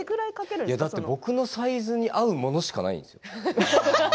だって僕のサイズに合うものしかないんですよ。